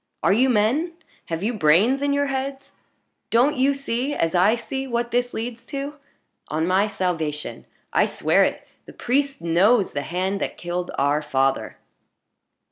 Are you men? Have you brains in your heads? Don't you see, as I see, what this leads to? On my salvation I swear it the priest knows the hand that killed our father!"